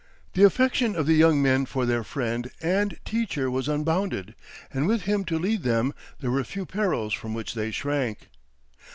The affection of the young men for their friend and teacher was unbounded, and with him to lead them there were few perils from which they shrank.